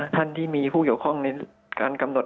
ท่านที่มีผู้เกี่ยวข้องในการกำหนด